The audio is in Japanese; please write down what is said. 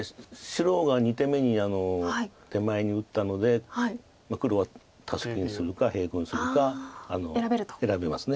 白が２手目に手前に打ったので黒はタスキにするか平行にするか選べます。